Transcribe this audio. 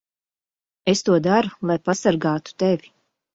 Es to daru, lai pasargātu tevi.